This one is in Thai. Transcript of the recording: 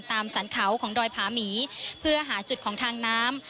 สรรเขาของดอยผาหมีเพื่อหาจุดของทางน้ำ